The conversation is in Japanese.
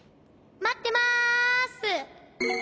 まってます！